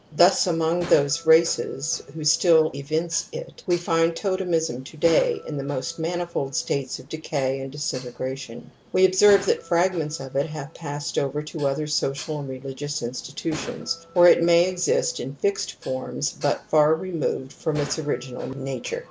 Thus among those races who still evince it, we find totemism to day in the most manifold states of decay and disiategration ; we observe that fragments of it have passed over to other social and religious institutions ; or it may exist in fixed forms but far re moved from its original nature.